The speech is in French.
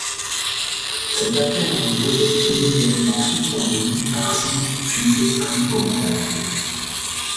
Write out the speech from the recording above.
Cette affaire lui vaut d'être immédiatement suspendu du parti, puis exclu au mois d'avril.